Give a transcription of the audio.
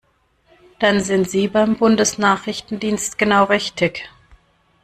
Dann sind Sie beim Bundesnachrichtendienst genau richtig!